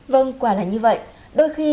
vâng quả là như vậy đôi khi